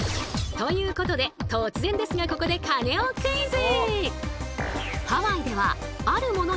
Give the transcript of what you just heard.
ということで突然ですがここでカネオクイズ！